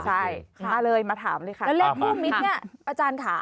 ใช่มาเลยมาถามเลยค่ะแล้วเลขคู่มิตรเนี่ยอาจารย์ค่ะ